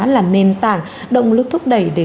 là nền tảng động lực thúc đẩy để